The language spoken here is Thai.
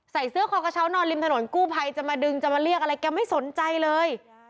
ใส่เสื้อคอกระเช้านอนริมถนนกู้ภัยจะมาดึงจะมาเรียกอะไรแกไม่สนใจเลย